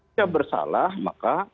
kalau bersalah maka